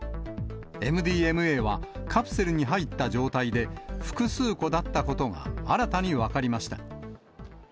ＭＤＭＡはカプセルに入った状態で、複数個だったことが新たに分かりました。